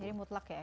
jadi mutlak ya